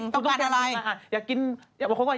ต้องการอะไร